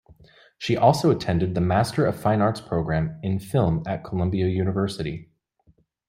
She also attended the Master of Fine Arts program in film at Columbia University.